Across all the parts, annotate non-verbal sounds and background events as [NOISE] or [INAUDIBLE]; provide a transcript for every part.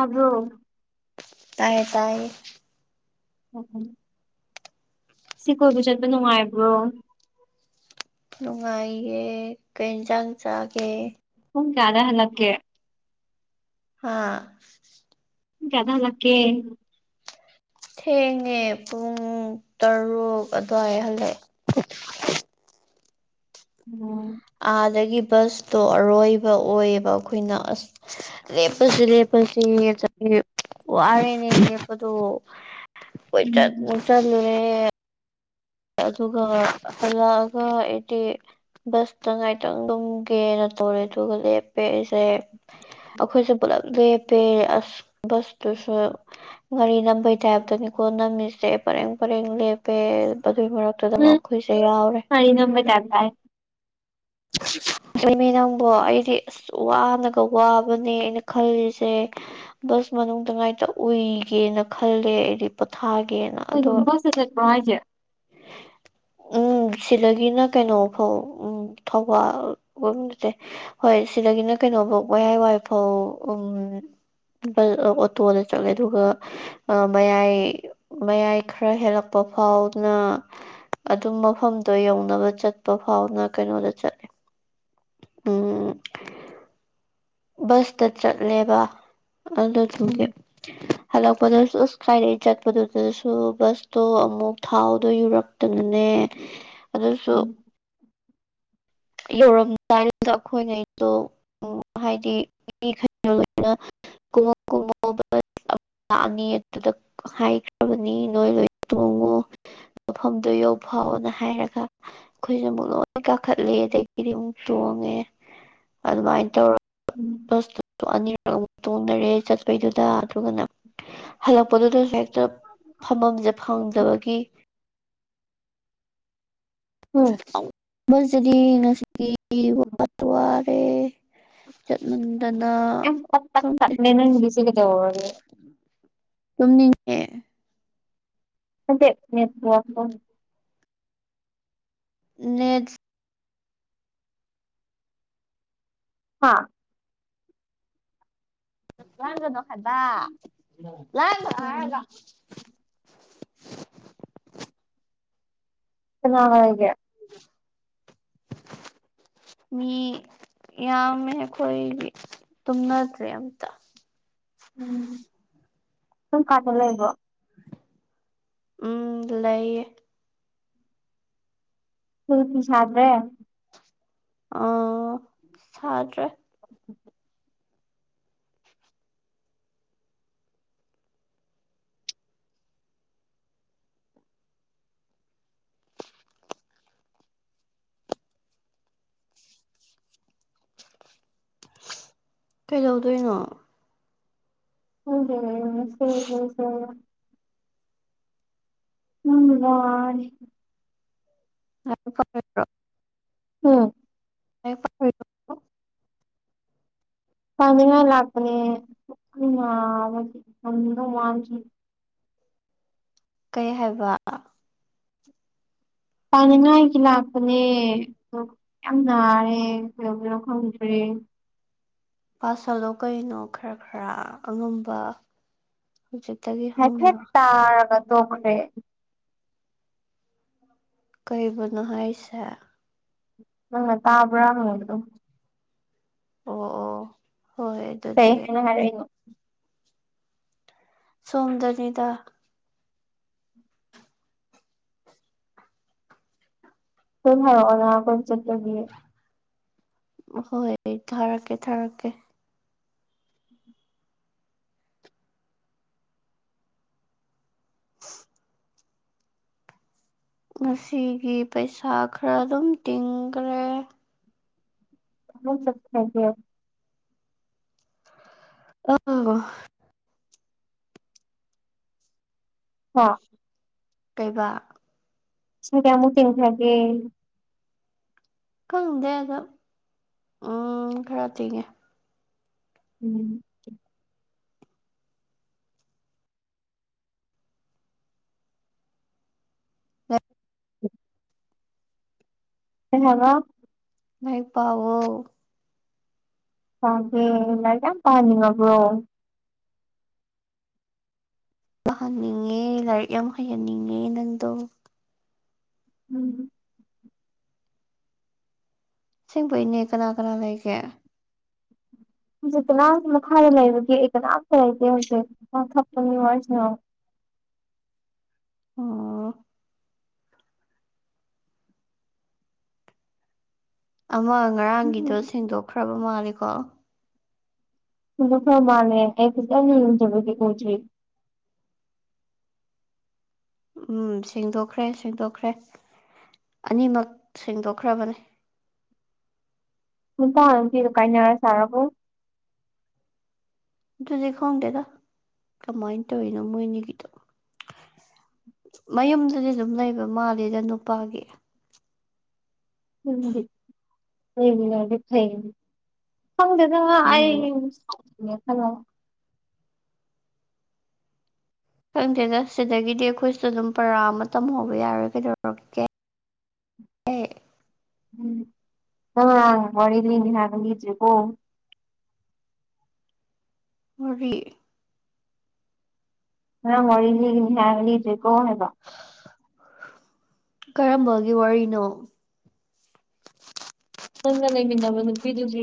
ꯑꯕꯣ ꯇꯥꯏꯌꯦ ꯇꯥꯏꯌꯦ ꯎ ꯁꯤ ꯀꯣꯏꯕ ꯆꯠꯄ ꯅꯨꯡꯉꯥꯏꯕ꯭ꯔꯣ ꯅꯨꯡꯉꯥꯏꯌꯦ ꯀꯩ ꯌꯦꯟꯁꯥꯡ ꯆꯥꯒꯦ ꯝ ꯀꯗ ꯍꯂꯛꯦ ꯑꯥ ꯏ ꯀꯗꯥ ꯂꯀꯦ ꯊꯦꯡꯉꯦ ꯄꯨꯡ ꯇꯔꯨꯛ ꯑꯗꯨꯋꯥꯏ ꯍꯜꯂꯛꯑꯦ [UNINTELLIGIBLE] ꯎꯝ ꯑꯗꯨꯗꯒꯤ ꯕꯁꯇꯣ ꯑꯔꯣꯏꯕ ꯑꯣꯏꯌꯦꯕ ꯑꯩꯈꯣꯏꯅ ꯑꯁ ꯂꯦꯞꯄꯁꯤ ꯂꯦꯞꯄꯁ ꯉ ꯋꯥꯔꯦꯅꯦ ꯂꯦꯞꯄꯗ ꯀꯣꯏ ꯆꯠꯃꯨ ꯆꯠꯂꯨꯔꯦ ꯑꯗꯨꯒ ꯂꯥꯛꯑꯒ ꯑꯩꯗꯤ ꯕꯁꯇ ꯉꯥꯏꯇꯪ ꯑꯗꯨꯝꯒꯦꯅ ꯇꯧꯔꯦ ꯑꯗꯨꯒ ꯂꯦꯞꯄꯦꯏꯁꯦ ꯑꯩꯈꯣꯏꯁꯦ ꯄꯨꯂꯞ ꯂꯦꯞꯄꯦ ꯑꯁ ꯕꯁꯇꯨꯁꯨ ꯉꯔꯤ ꯅ ꯑꯩꯈꯣꯏ ꯇꯥꯏ ꯍꯥꯏꯞꯇꯅꯤꯀꯣ ꯅꯃꯤꯁꯦ ꯄꯔꯦꯡ ꯄꯔꯦꯡ ꯂꯦꯞꯄꯦ ꯑꯗꯨꯏ ꯃꯔꯛꯇꯨꯗ ꯎꯝ ꯑꯩꯈꯣꯏꯁꯦ ꯌꯥꯎꯔꯦ ꯒꯥꯔꯤ ꯅꯝꯕꯩ ꯇꯥꯏꯞ ꯇꯥꯏ ꯑ ꯃꯤ ꯅꯪꯕꯣ ꯑꯩꯗꯤ ꯑꯁ ꯋꯥꯅꯒ ꯋꯥꯕꯅꯦ ꯑꯩꯅ ꯈꯜꯂꯤꯁꯦ ꯕꯁ ꯃꯅꯨꯡꯗ ꯉꯥꯏꯇ ꯎꯏꯒꯦꯅ ꯈꯜꯂꯦ ꯑꯩꯗꯤ ꯄꯣꯊꯥꯒ ꯦꯅ ꯑꯗꯨꯗꯣ ꯃꯖꯦ ꯎꯝ ꯁꯤꯂꯒꯤꯅ ꯀꯩꯅꯩꯅꯣꯐꯥꯎ ꯎꯝ ꯊꯧꯕꯒꯨꯝ ꯅꯠꯇꯦ ꯍꯣꯏ ꯁꯤꯗꯒꯤꯅ ꯀꯩꯅꯣꯐꯧ ꯋꯥꯍꯏ ꯋꯥꯏꯐꯥꯎ ꯎ ꯎ ꯑꯣꯇꯣꯗ ꯆꯠꯂꯦ ꯑꯗꯨꯒ ꯃꯌꯥꯏ ꯃꯌꯥꯏ ꯈꯔ ꯍꯦꯜꯂꯛꯄ ꯐꯥꯎꯅ ꯑꯗꯨꯝ ꯃꯐꯝꯗꯣ ꯌꯧꯅꯕ ꯆꯠꯄ ꯐꯥꯎꯅ ꯀꯩꯅꯣꯗ ꯆꯠꯂꯦ ꯎꯝ ꯕꯁꯇ ꯆꯠꯂꯦꯕ ꯑꯗꯣ ꯎꯝ ꯊꯒꯦ ꯍꯜꯂꯛꯄꯗꯁꯨ ꯑꯁ ꯀꯥꯏꯔꯛꯏ ꯆꯠꯄꯗꯨꯗꯁꯨ ꯕꯁꯇꯣ ꯑꯃꯨꯛ ꯊꯥꯎꯗꯣ ꯌꯨꯔꯛꯇꯅꯅꯦ ꯑꯗꯨꯁꯨ ꯎꯝ ꯌꯧꯔꯝꯗꯥꯏꯗ ꯑꯩꯈꯣꯏꯅꯗꯣ ꯍꯥꯏꯗꯤ ꯃꯤ ꯀꯃꯣ ꯀꯃꯣ ꯂꯥꯛꯑꯅꯤ ꯑꯗꯨꯗ ꯍꯥꯏꯈ꯭ꯔꯕꯅꯤ ꯅꯣꯏ ꯂꯣꯏ ꯇꯣꯡꯉꯨ ꯇꯐꯝꯗ ꯌꯣ ꯐꯥꯎꯅ ꯍꯥꯏꯔꯒ ꯑꯩꯈꯣꯏꯁꯨꯦ ꯑꯃꯨꯛ ꯂꯣꯏ ꯀꯥꯈꯠ ꯄ꯭ꯂꯦꯗꯒꯤꯗꯤ ꯑꯃꯨꯛ ꯇꯣꯡꯉꯦ ꯑꯗꯨꯃꯥꯏꯅ ꯎꯝ ꯇꯧꯔꯒ ꯑꯅꯤꯔꯛꯨ ꯇꯣꯡꯅꯔꯦ ꯆꯠꯄꯩꯗꯨꯗ ꯑꯗꯨꯒꯅ ꯍꯜꯂꯛꯄꯗꯨꯗ ꯍ ꯐꯝꯃꯝꯁꯦ ꯐꯪꯗꯕꯒꯤ ꯎꯝ ꯃꯖꯗꯤꯅꯁꯤ ꯋꯥ ꯇ ꯋꯥꯔꯦ ꯆꯠ ꯄ ꯄ ꯇꯅꯦꯅ ꯂꯤꯁꯤ ꯀꯗ ꯋꯥ ꯇꯨꯝꯅꯤꯡꯉꯦ ꯑ ꯆ ꯌꯦꯄ ꯅꯦꯠ ꯍꯥꯥ ꯂꯥꯡꯒꯣꯗ ꯎꯝ ꯂꯒ ꯥꯟꯦ [UNINTELLIGIBLE] ꯃꯤ ꯌꯥꯝꯃꯦ ꯑꯩꯈꯣꯏ ꯇꯨꯝꯅꯗ꯭ꯔꯦ ꯑꯝꯇ ꯎꯝ ꯁꯨꯝ ꯀꯥꯏꯗ ꯂꯩꯕꯣ ꯎꯝ ꯂꯩꯌꯦ ꯊ ꯊ ꯁꯥꯗ꯭ꯔꯦ ꯑ ꯁꯥꯗ꯭ꯔꯦ ꯀꯩꯗꯧꯗꯣꯏꯅꯣ ꯎꯝ ꯎꯝ ꯂ ꯑ ꯐꯔ꯭ꯔꯣ ꯎꯝ [UNINTELLIGIBLE] ꯀꯅ ꯂꯥꯛꯄꯅꯦꯦꯗꯤ ꯁꯗ ꯋꯥ ꯀꯩ ꯍꯥꯏꯕ ꯇꯥꯅꯤꯡꯉꯥꯏꯒꯤ ꯂꯥꯛꯄꯅꯦ ꯑ ꯌꯥꯝ ꯅꯥꯔꯦ ꯀꯩꯗꯧꯕꯔꯣ ꯈꯪꯗ꯭ꯔꯦ [UNINTELLIGIBLE] ꯄꯥꯁꯜꯗꯣ ꯀꯩꯅꯣ ꯈꯔ ꯈꯔ ꯑꯉꯝꯕ ꯍꯧꯖꯤꯛꯇꯒꯤ ꯍ ꯍꯦ ꯍꯧꯅ ꯇ ꯇꯣꯛꯈꯔꯦ ꯀꯩꯕꯨꯅꯣ ꯍꯥꯏꯁꯦ ꯅꯪꯅ ꯇꯥꯕ꯭ꯔꯥꯅꯦꯕꯗꯣ ꯑ ꯑ ꯀꯩ ꯍꯥꯏꯅ ꯍꯥꯏꯔꯏꯅꯣ ꯁꯣꯝꯗꯅꯤꯗ ꯐꯝ ꯍꯥꯏ ꯑꯣꯅ ꯀꯣꯏ ꯆꯠ ꯍꯣꯏ ꯊꯥꯔꯛꯀꯦ ꯊꯥꯔꯛꯀꯦ [UNINTELLIGIBLE] ꯉꯁꯤꯒꯤ ꯄꯩꯁꯥ ꯈꯔ ꯑꯗꯨꯝ ꯇꯤꯡꯈ꯭ꯔꯦ ꯑ ꯆꯒ ꯑ ꯍꯥꯥ ꯀꯩꯕꯥꯛ ꯁ ꯀꯦꯃ ꯇꯧ ꯊꯒꯦ ꯈꯪꯗꯦ ꯑꯗꯣ ꯎꯝ ꯈꯔ ꯊꯤꯒꯦ ꯎꯝ ꯑ ꯑꯦꯉ ꯉꯥꯏ ꯄꯑꯣꯣ ꯦ ꯂ ꯀ ꯄꯅꯤ ꯋꯥꯕ꯭ꯔꯣ ꯇꯥꯍꯟꯅꯤꯡꯉꯦ ꯂꯥꯏꯔꯤꯛ ꯌꯥꯝ ꯍꯩꯍꯟꯅꯤꯡꯉꯦ ꯅꯪꯗꯣ ꯎꯝ ꯁꯤꯁꯤꯡꯕꯩꯅꯤ ꯀꯅꯥ ꯀꯅꯥ ꯂꯩ ꯀ ꯍꯧꯖꯤꯛ ꯀꯅꯥꯝꯇ ꯃꯈꯥꯗ ꯂꯩꯕꯒꯦ ꯑꯩ ꯀꯅꯥꯝꯇ ꯂꯩꯇꯦ ꯍꯧꯖꯤꯛ ꯊꯛꯄꯒꯤ ꯋꯥꯔꯤꯁꯤꯅ ꯑꯣ ꯑꯃ ꯉꯔꯥꯡꯒꯤꯗꯣ ꯎꯝ ꯁꯦꯡꯗꯣꯛꯈ꯭ꯔꯕ ꯃꯥꯂꯦꯀꯣ ꯐ꯭ꯔ ꯃꯥꯅꯦ ꯑꯦꯖꯖꯕꯗꯤ ꯄꯣꯆ ꯎꯝ ꯁꯦꯡꯗꯣꯛꯈ꯭ꯔꯦ ꯁꯦꯡꯗꯣꯛꯈ꯭ꯔꯦ ꯑꯅꯤꯃꯛ ꯁꯦꯡꯗꯣꯛꯈ꯭ꯔꯕꯅꯦ ꯍꯨ ꯀꯥ ꯀꯤꯗꯨ ꯀꯥꯏꯅꯔ ꯁꯥꯔꯔꯕꯣ ꯑꯗꯨꯗꯤ ꯈꯪꯗꯦꯗ ꯀꯃꯥꯏꯅ ꯇꯧꯔꯤꯅꯣ ꯃꯣꯏꯅꯤꯒꯤꯗꯣ ꯃꯌꯨꯝꯗꯨꯗꯤ ꯑꯗꯨꯝ ꯂꯩꯕ ꯃꯥꯜꯂꯤꯦꯗ ꯅꯨꯄꯥꯒꯤ ꯎꯝ ꯑꯩ ꯂꯗꯤ ꯐꯩ ꯈꯪꯗꯦꯗ ꯑꯩ ꯎꯝ ꯈꯪ ꯈꯪꯗꯦꯗ ꯁꯤꯗꯒꯤꯗꯤ ꯑꯩꯈꯣꯏꯁꯨ ꯑꯗꯨꯝ ꯄꯔꯥ ꯑꯃ ꯇꯝꯍꯧꯕ ꯌꯥꯔꯣꯏ ꯀꯩꯗꯧꯔꯒꯦ [INAUDIBLE] ꯎꯝꯃꯥꯡ ꯋꯥꯔꯤꯗꯅꯤ ꯍꯥꯏꯒꯖꯦ ꯀꯣ ꯋꯥꯔꯤ ꯉꯔꯥꯡ ꯋꯥꯔꯤ ꯂꯤꯅꯤ ꯍꯥꯏꯔ ꯂꯤꯗꯔꯤ ꯀꯣ ꯍꯥꯏꯕ ꯀꯔꯝꯕꯒꯤ ꯋꯥꯔꯤꯅꯣ ꯅꯪꯒ ꯂꯩꯃꯤꯟꯅꯕ ꯅꯨꯄꯤꯗꯨꯒꯤ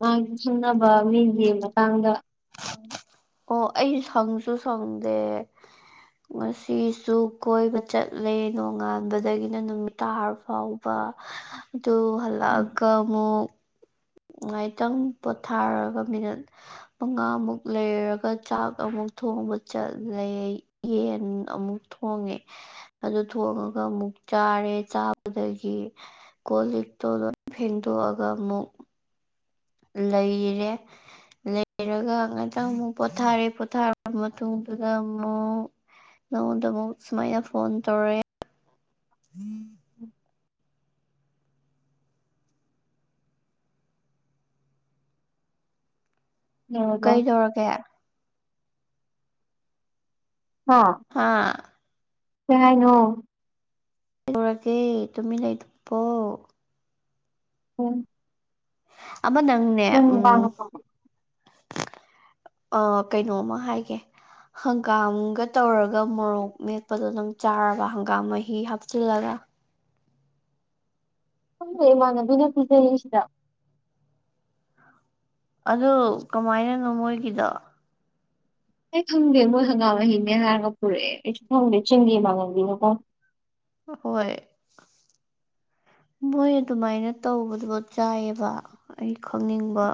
ꯃꯥꯒꯤ ꯁꯪꯅꯕ ꯃꯤꯒꯤ ꯃꯇꯥꯡꯗ [INAUDIBLE] ꯑꯣ ꯑꯩ ꯁꯪꯁꯨ ꯁꯪꯗꯦ ꯉꯁꯤꯁꯨ ꯀꯣꯏꯕ ꯆꯠꯂꯦ ꯅꯣꯡꯉꯥꯟꯕꯗꯒꯤꯅ ꯅꯨꯃꯤꯠ ꯇꯥꯔ ꯐꯥꯎꯕ ꯑꯗꯨ ꯎꯝ ꯍꯜꯂꯛꯑꯒ ꯑꯃꯨꯛ ꯉꯥꯏꯇꯪ ꯄꯣꯊꯥꯔꯒ ꯃꯤꯅꯠ ꯃꯉꯥꯃꯨꯛ ꯂꯩꯔꯒ ꯆꯥꯛ ꯑꯃꯨꯛ ꯊꯣꯡꯕ ꯆꯠꯂꯦ ꯌꯦꯟ ꯑꯃꯨꯛ ꯊꯣꯡꯉꯦ ꯑꯗꯨ ꯊꯣꯡꯉꯒ ꯑꯃꯨ ꯑꯃꯨꯛ ꯆꯥꯔꯦ ꯆꯥꯕꯗꯒꯤ ꯀꯣꯜꯂꯤꯛꯇꯣ ꯂꯣꯏ ꯐꯦꯡꯗꯣꯛꯑꯒ ꯑꯃꯨꯛ ꯂꯩꯔꯦ ꯂꯩꯔꯒ ꯉꯇꯪ ꯑꯃꯨꯛ ꯄꯣꯊꯥꯔꯦ ꯄꯣꯊꯥꯔꯕ ꯃꯇꯨꯡꯗꯨꯗ ꯑꯃꯨꯛ ꯅꯪꯉꯣꯟꯗꯃꯨꯛ ꯁꯨꯃꯥꯏꯅ ꯐꯣꯟ ꯇꯧꯔꯦ ꯎꯝ ꯌꯧꯔꯕ ꯀꯩꯗꯧꯔꯒꯦ ꯍꯥ ꯍꯥꯥ ꯀꯩ ꯍꯥꯏꯅꯣ ꯇꯧꯔꯒꯦ ꯇꯨꯃꯤꯟ ꯂꯩꯗꯨꯕꯨ [UNINTELLIGIBLE] ꯑꯃ ꯅꯪꯅꯦ ꯅꯪ ꯎꯝ ꯅꯨꯄꯥꯒ ꯑ ꯀꯩꯅꯣꯝꯃ ꯍꯥꯏꯒꯦ ꯍꯪꯒꯥꯝꯒ ꯇꯧꯔꯒ ꯑꯗꯨꯒ ꯃꯣꯔꯣꯛ ꯃꯦꯠꯄꯗꯣ ꯑꯗꯨꯝ ꯆꯥꯔꯕ ꯍꯪꯒꯥꯝ ꯃꯍꯤ ꯍꯥꯞꯆꯤꯜꯂꯒ ꯈꯪꯗꯦ ꯏꯃꯥꯟꯅꯕꯤꯅ ꯄꯤꯖꯩ ꯁꯤꯗ ꯑꯗꯨ ꯀꯃꯥꯏꯅꯅꯣ ꯃꯣꯏꯒꯤꯗꯣ ꯑꯩ ꯈꯪꯗꯦ ꯃꯣꯏ ꯍꯪꯒꯥꯝ ꯃꯍꯤꯅꯦ ꯍꯥꯏꯔꯒ ꯄꯨꯔꯛꯑꯦ ꯑꯩꯁꯨ ꯈꯪꯗꯦ ꯆꯤꯡꯒꯤ ꯃꯥꯡꯒꯜꯒꯤꯅꯀꯣ ꯍꯣꯏ ꯃꯣꯏ ꯑꯗꯨꯃꯥꯏꯅ ꯇꯧꯕꯗꯨꯕꯨ ꯆꯥꯏꯑꯦꯕ ꯑꯩ ꯈꯪꯅꯤꯡꯕ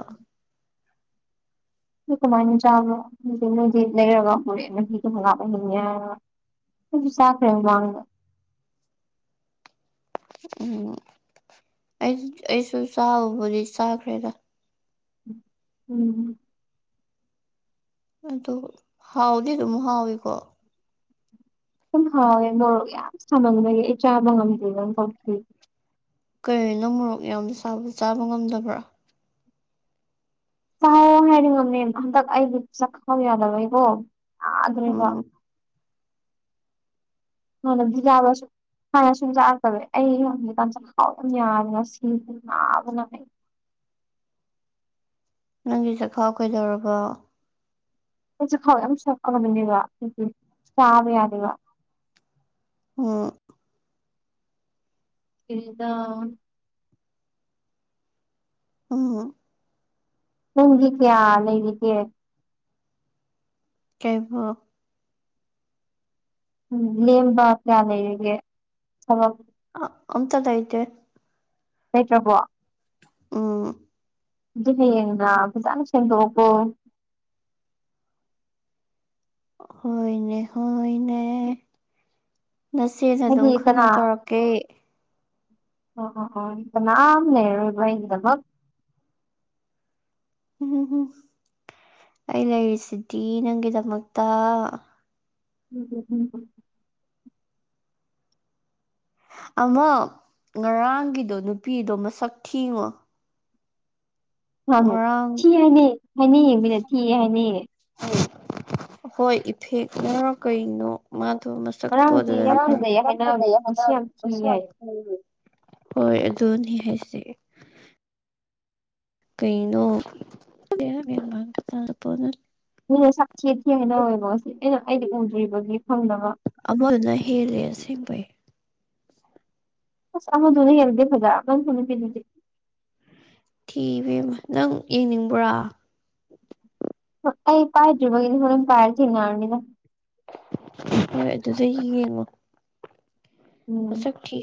ꯀꯃꯥꯏ ꯆꯕꯍꯤ [UNINTELLIGIBLE] ꯁꯥꯈꯔꯦ ꯃꯃꯥꯡꯗ ꯎꯝ ꯑꯩ ꯑꯩꯁꯨ ꯆꯥꯕꯨꯗꯤ ꯆꯥꯈ꯭ꯔꯦꯗ ꯎꯝ ꯑꯗꯨ ꯍꯥꯎꯗꯤ ꯑꯗꯨꯝ ꯍꯥꯎꯋꯀꯣ ꯁꯨꯝ ꯍꯥꯎꯋꯦ ꯃꯣꯔꯣꯛ ꯌꯥꯝ ꯁꯥꯃꯕꯒꯤ ꯑꯩ ꯆꯥꯕ ꯉꯝꯗꯦ ꯅꯪ ꯇꯧꯈꯤ ꯀꯔꯤꯅꯣ ꯃꯣꯔꯣꯛ ꯌꯥꯝ ꯁꯥꯕ ꯆꯥꯕ ꯉꯝꯗꯕ꯭ꯔꯥ ꯆꯥꯎꯑꯣ ꯍꯥꯏꯗꯤ ꯉꯝꯃꯦ ꯍꯟꯗꯛ ꯑꯩꯗꯣ ꯆꯥꯛꯈꯥꯎꯕ ꯌꯥꯗꯕꯩꯀꯣ꯫ ꯑꯗꯨ꯭ꯔꯕ ꯎꯝ ꯍꯅꯗꯤꯕꯁꯨ [UNINTELLIGIBLE] ꯍꯥꯟꯅ ꯁꯨꯝ ꯆꯥꯔꯛꯇꯕ ꯑꯩ ꯍꯧꯖꯤꯀꯥꯟ ꯆꯥꯛꯈꯥꯎ ꯑꯗꯨꯝ ꯌꯥꯗꯔꯦ ꯅꯥꯕꯅ ꯑꯩ ꯅꯪꯒꯤ ꯆꯈꯥꯎ ꯀꯩꯗꯧꯔꯕꯣ ꯆꯥꯛꯈꯥꯎ ꯌꯥꯝ ꯁꯣꯛꯑꯕꯅꯦꯕ ꯆꯥꯕ ꯌꯥꯗꯦꯕ ꯑꯣ ꯁꯤꯗ ꯎꯝ ꯅꯪꯒꯤ ꯀꯌꯥ ꯂꯩꯔꯤꯒꯦ ꯀꯩꯕ ꯂꯦꯝꯕꯥ ꯀꯌꯥ ꯂꯩꯔꯒꯤ ꯊꯥꯕꯛ ꯑꯃꯇꯥ ꯂꯩꯇꯦ꯫ ꯂꯩꯇ꯭ꯔꯕꯣ ꯎꯝ ꯑꯗꯨꯗꯤ ꯍꯌꯦꯡꯔ ꯐꯖꯥꯅ ꯁꯦꯡꯗꯣꯛꯀꯣ ꯍꯣꯏꯅꯦ ꯍꯣꯏꯅꯦ ꯅꯥꯆꯦꯅ ꯑꯗꯨꯝ ꯍꯥꯏꯗꯤ ꯀꯅꯥ ꯈꯪꯅ ꯇꯧꯔꯛꯀꯦ [UNINTELLIGIBLE] ꯎꯝ ꯑꯩ ꯂꯩꯔꯤꯁꯤꯗꯤ ꯅꯪꯒꯤꯗꯃꯛꯇ ꯎꯝ ꯎꯝ ꯑꯃ ꯉꯔꯥꯡꯒꯤꯗꯣ ꯅꯨꯄꯤꯗꯣ ꯃꯁꯛ ꯊꯤꯉꯣ ꯉꯔꯥꯡ ꯊꯤ ꯍꯥꯏꯅꯤ ꯍꯥꯏꯅꯤꯅ ꯊꯤ ꯍꯥꯏꯅꯤ ꯍꯣꯏ ꯏꯐꯦꯛꯅꯔ ꯀꯩꯅꯣ ꯃꯥ ꯊꯁꯁ ꯉꯔꯥꯡꯗꯤ ꯌꯥꯝ ꯐꯖꯩ ꯍꯥꯏꯅꯕꯅꯦ ꯉꯁꯤ ꯌꯥꯝ ꯊꯤ ꯍꯥꯏ ꯍꫭꯏ ꯑꯗꯨꯅꯤ ꯍꯥꯏꯁꯤ ꯀꯩꯅꯩꯅꯣꯗ ꯄꯅ ꯆꯦꯠꯈꯤ ꯍꯥꯏꯅ ꯑꯣꯏꯋꯦꯕꯣ ꯉꯁꯤ ꯑꯩꯅ ꯑꯩꯗꯤ ꯎꯗ꯭ꯔꯤꯕꯒꯤ ꯐꯪꯅꯕ ꯑꯃꯗꯨꯅ ꯍꯦꯜꯂꯦ ꯑꯁꯦꯡꯕꯩ ꯑꯁ ꯑꯃꯗꯨꯅ ꯍꯦꯜꯗꯦ ꯐꯖꯥ [UNINTELLIGIBLE] ꯊꯤꯕꯃ ꯅꯪ ꯌꯦꯡꯅꯤꯡꯕ꯭ꯔꯥ ꯑꯩ ꯄꯥꯏꯗꯔꯤ ꯕꯩꯅꯤ ꯍꫭꯔꯟ ꯄꯥꯏꯔ ꯊꯦꯡꯅꯔꯅꯤꯗꯥ ꯍꯣꯏ ꯑꯗꯨꯁꯨ ꯌꯦꯡꯉꯣ ꯃꯁꯛꯊꯤ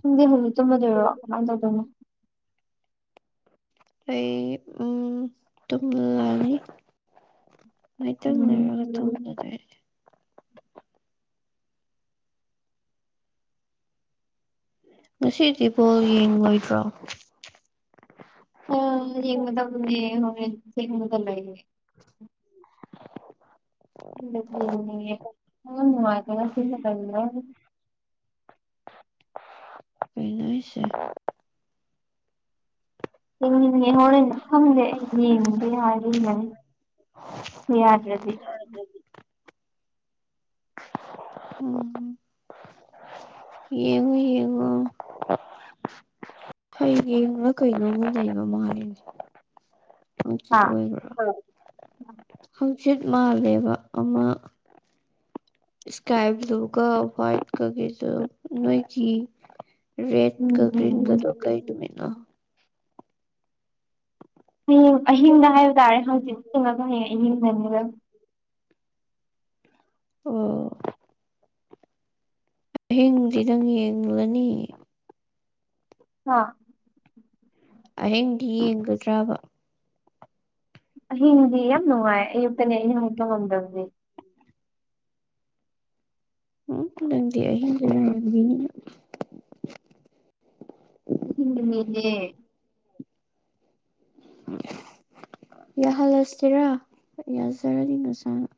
ꯈꯪꯗꯤ ꯍꯪꯖꯤꯛ ꯆꯨꯝꯃꯗꯣꯏꯔꯣ ꯀꯃꯥꯏꯅ ꯇꯧꯗꯣꯏꯅꯣ ꯑꯩ ꯎꯝ ꯇꯨꯝꯂꯅꯤ ꯎꯝ ꯃꯥꯏꯇꯪꯅꯔꯒ ꯇꯧꯅꯖꯦ ꯉꯁꯤꯗꯤ ꯕꯣꯜ ꯌꯦꯡꯉꯣꯏꯗ꯭ꯔꯣ ꯍꫭꯔꫭꯟ ꯑꯊꯤꯡꯕꯗꯥ ꯂꯩ ꯎꯅꯨꯡ ꯃꯥꯥꯏ ꯀꯁꯤꯔ ꯄꯤꯅꯁ ꯍꯣꯔꯦꯟ ꯈꯪꯗꯦ ꯌꯦꯡꯉꯁꯦ ꯍꯥꯏꯔꯦ ꯍꯥꯏ ꯌꯥꯗ꯭ꯔꯗꯤ ꯎꯝ ꯌꯦꯉꯣ ꯌꯦꯉꯣ ꯍꯌꯦꯡꯂꯥ ꯀꯩꯅꯣꯃ ꯂꯩꯕ ꯃꯥꯜꯂꯤꯅꯦ ꯍꯪꯆꯤꯠ ꯍꯥ ꯑꯣꯏꯕ꯭ꯔꯥ ꯍꯪꯆꯤꯠ ꯃꯥꯜꯂꯦꯕ ꯑꯃ ꯏꯁꯀꯥꯏ ꯕ꯭ꯂꯨ ꯀ ꯋꯥꯏꯠ ꯀ ꯒꯤꯁꯨ ꯅꯣꯏꯒꯤ ꯔꯦꯠꯀ ꯎꯝ ꯎꯝ ꯎꯝ ꯒ꯭ꯔꯤꯟꯒꯗꯣ ꯀꯩꯅꯨꯃꯤꯠꯅꯣ ꯍꯌꯦꯡ ꯑꯍꯤꯡꯗ ꯍꯥꯏꯕ ꯇꯥꯔꯦ ꯍꯪꯆꯤ ꯆꯨꯡꯉꯒ ꯍꯌꯦꯡ ꯑꯍꯤꯡꯗꯅꯤꯕ ꯑꯣ ꯑꯍꯤꯡꯗꯤ ꯅꯪ ꯌꯦꯡꯂꯅꯤ ꯍꯥ ꯑꯍꯤꯡꯗꯤ ꯌꯦꯡꯒꯗ꯭ꯔꯕ ꯑꯍꯤꯡꯗꯤ ꯌꯥꯝ ꯅꯨꯡꯉꯥꯏ ꯑꯌꯨꯛꯇꯅꯦ ꯑꯩꯅ ꯍꯧꯒꯠꯄ ꯉꯝꯗꯕꯁꯦ ꯎꯝ ꯅꯪꯗꯤ ꯑꯍꯤꯡꯒ ꯌꯥꯝ ꯌꯦꯡꯉꯤꯅ ꯍꯅꯦ ꯌꯥꯍꯜꯂꯁꯤꯔꯥ ꯌꯥꯖꯔꯅꯤ ꯉꯁꯥꯅ